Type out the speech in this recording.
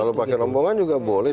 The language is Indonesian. kalau pakai rombongan juga boleh